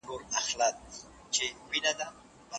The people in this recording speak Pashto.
د کانکور د چمتووالي کتابونه په بازار کي نه موندل کيدل.